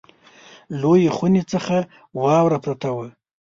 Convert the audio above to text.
لویې خونې څخه واوره پرته وه.